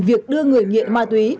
việc đưa người nghiện ma túy